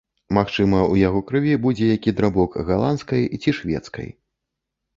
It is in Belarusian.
Магчыма, у яго крыві будзе які драбок галандскай ці шведскай.